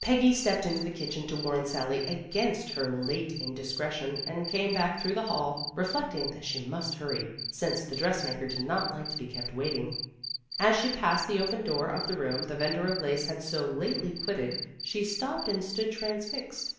Peggy stepped into the kitchen to warn Sally against her late in discretion, and came back through the hall, re flecting that she must hurry, since the dress maker did not like to be kept waiting. As she passed the open door of the room the vender of lace had so lately quitted, she stopped and stood transfixed.